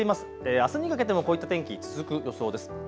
あすにかけてもこういった天気、続く予想です。